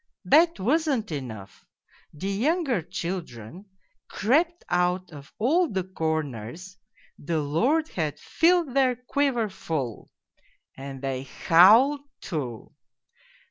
... That wasn't enough : the younger children crept out of all the corners (the Lord had filled their quiver full) and they howled too